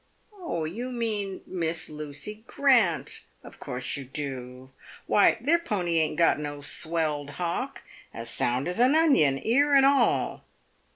" You mean Miss Lucy Grant — of course you do. "Why, their pony ain't got no swelled hock. As sound as a onion, ear and all."